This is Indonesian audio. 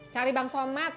cari bang somat